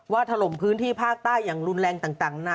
ถล่มพื้นที่ภาคใต้อย่างรุนแรงต่างนานา